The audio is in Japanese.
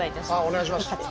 お願いします。